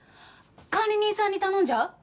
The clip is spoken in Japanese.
管理人さんに頼んじゃう？